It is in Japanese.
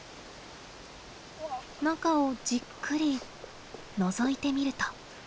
中をじっくりのぞいてみると。